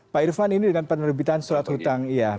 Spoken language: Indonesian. pak irfan ini dengan penerbitan surat hutang